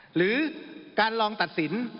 หรือการลองตัดสิน